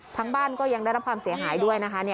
บ้านก็ยังได้รับความเสียหายด้วยนะคะ